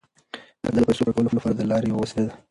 زده کړه د پیسو پوره کولو لپاره د لارې یوه وسیله ده.